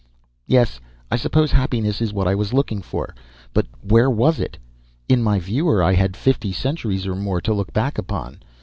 Yes, I suppose happiness is what I was looking for. But where was it? In my viewer, I had fifty centuries or more to look back upon.